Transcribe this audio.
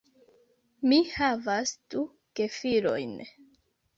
Mi havas du gefilojn.